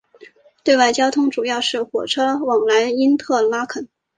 对外交通主要是火车往来因特拉肯。